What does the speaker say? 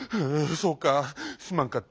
そうかすまんかった。